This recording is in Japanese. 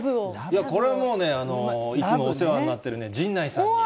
いや、これはもういつもお世話になっている陣内さんに。